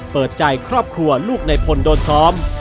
เปิดใจครอบครัวลูกในพลโดนซ้อม